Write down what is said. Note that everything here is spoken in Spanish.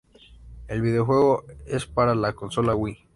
El videojuego es para la consola Wii.